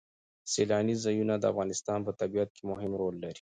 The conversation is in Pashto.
سیلانی ځایونه د افغانستان په طبیعت کې مهم رول لري.